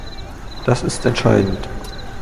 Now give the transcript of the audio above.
Das ist entscheidend!